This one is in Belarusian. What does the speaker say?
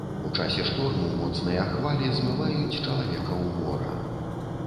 У часе шторму моцныя хвалі змываюць чалавека ў мора.